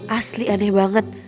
asli aneh banget